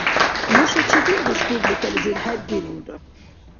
Нуша чидил республикализир хӀердирулра?